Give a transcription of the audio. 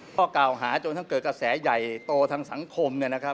ข้อกล่าวหาจนทั้งเกิดกระแสใหญ่โตทางสังคม